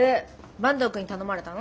坂東くんに頼まれたの？